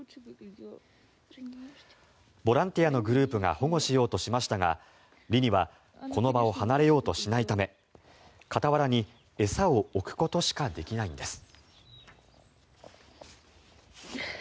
ボランティアのグループが保護しようとしましたがリニはこの場を離れようとしないため傍らに餌を置くことしかできないんです。